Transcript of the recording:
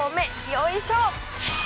よいしょ！